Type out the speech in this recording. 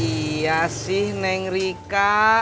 iya sih neng rika